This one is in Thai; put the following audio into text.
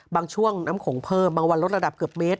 ช่วงน้ำโขงเพิ่มบางวันลดระดับเกือบเมตร